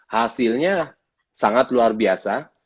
hasilnya sangat luar biasa